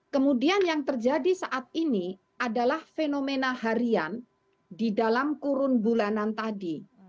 kemudian yang terjadi saat ini adalah fenomena harian di dalam kurun bulanan tadi